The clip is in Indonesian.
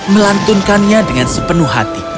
melantunkannya dengan sepenuh hati